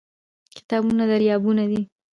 کتابونه دريابونه دي